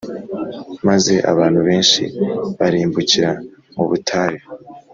maze abantu benshi barimbukira mu butayu,